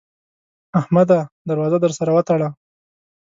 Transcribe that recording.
احمده! در وازه در سره وتړه.